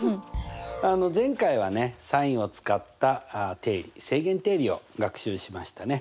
前回はねｓｉｎを使った定理正弦定理を学習しましたね。